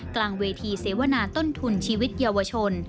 กลางเวทีเสวนาต้นทุนชีวิตเยาวชน